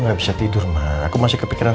gapapaagik sama kamu makmodern